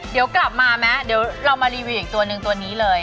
เดี๋ยวกลับมามั้ยเรามารีวิวอีกตัวนึงตัวนี้เลย